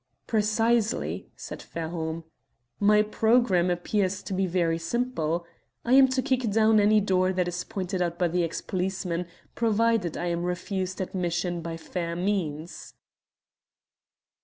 "Precisely," said Fairholme. "My programme appears to be very simple. I am to kick down any door that is pointed out by the ex policeman, provided I am refused admission by fair means."